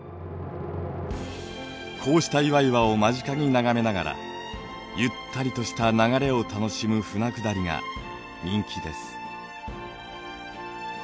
こうした岩々を間近に眺めながらゆったりとした流れを楽しむ舟下りが人気です。